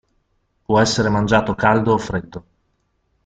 Può essere mangiato caldo o freddo.